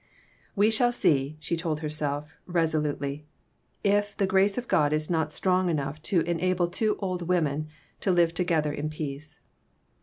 "We shall see," she told herself resolutely, "if the grace of God is not strong enough to enable two old women to live together in peace."